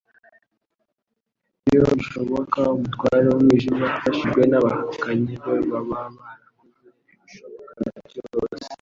Iyo bishoboka umutware w'umwijima afashijwe n'abahakanyi be baba barakoze ibishoboka byose